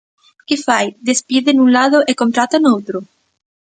¿Que fai, despide nun lado e contrata noutro?